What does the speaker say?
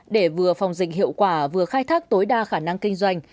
để vừa phòng dịch hiệu quả vừa khai thác tối đa khả năng kinh doanh